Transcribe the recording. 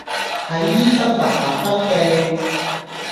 睇醫生麻煩登記